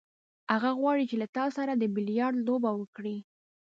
هغه غواړي چې له تا سره د بیلیارډ لوبه وکړي.